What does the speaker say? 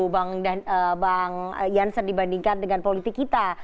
bang jansen dibandingkan dengan politik kita